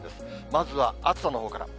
まずは暑さのほうから。